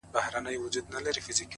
ځكه د كلي مشر ژوند د خواركي ورانوي ـ